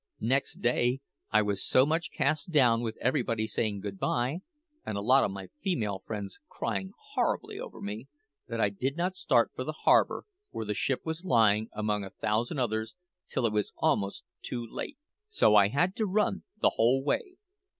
Next day I was so much cast down with everybody saying good bye, and a lot o' my female friends cryin' horribly over me, that I did not start for the harbour, where the ship was lying among a thousand others, till it was almost too late. So I had to run the whole way.